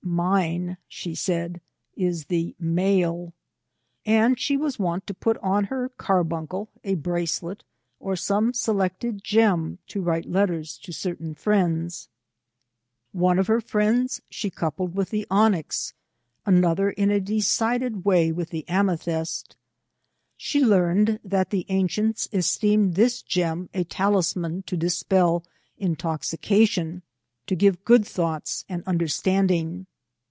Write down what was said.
" Mine,'' she said, " is the male." And she was wont to put on her carbuncle, a bracelet, or some selected gem, to write letters to certain friends. One of 294 VISITS TO CONCORD. her friends she coupled with the onyx, another in a decided way with the amethyst. She learned that the ancients esteemed this gem a talisman to dispel intoxication, to give good thoughts and understanding.